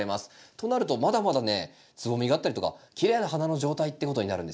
となるとまだまだねつぼみがあったりとかきれいな花の状態っていうことになるんですよ。